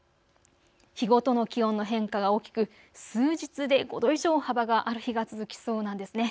日ごとの気温の変化が大きく数日で５度以上幅がある日が続きそうなんですね。